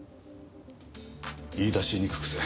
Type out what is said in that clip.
言い出しにくくて。